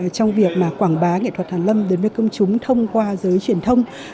trong việc quảng bá nghệ thuật hàn lâm đến với công chúng thông qua giới truyền thông